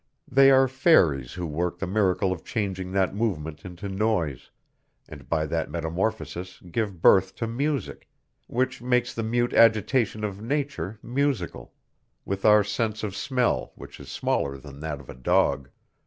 They are fairies who work the miracle of changing that movement into noise, and by that metamorphosis give birth to music, which makes the mute agitation of nature musical ... with our sense of smell which is smaller than that of a dog